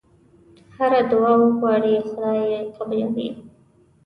هره دعا وغواړې خدای یې قبلوي.